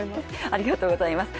ありがとうございます。